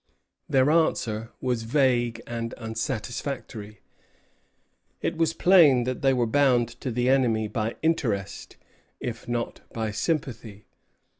Their answer was vague and unsatisfactory. It was plain that they were bound to the enemy by interest, if not by sympathy.